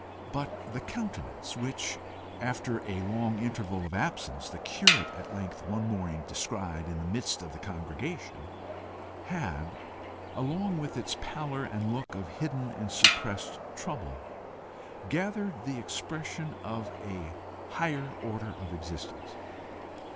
But the countenance which, after a long interval of absence, the curate at length one morning descried in the midst of the congregation, had, along with its pallor and look of hidden and suppressed trouble, gathered the expression of a higher order of existence.